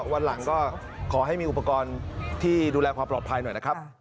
วันหลังก็ขอให้มีอุปกรณ์ที่ดูแลความปลอดภัยหน่อยนะครับ